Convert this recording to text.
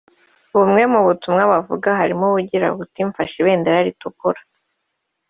Bumwe mu butumwa bavuga harimo ubugira buti”Mfashe ibendera ritukura